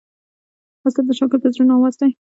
استاد د شاګرد د زړونو آواز اوري.